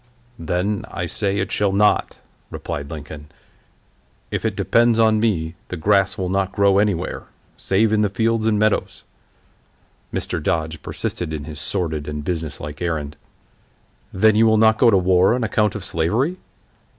"Then, I say, it shall not," replied Lincoln; "if it depends upon me, the grass will not grow anywhere, save in the fields and meadows." Mr. Dodge persisted in his sordid and businesslike errand. "Then you will not go to war on account of slavery?"